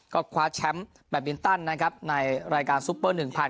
ก็ควาร์ดแชมป์แบตมินตันนะครับในรายการซุปเปอร์หนึ่งพัน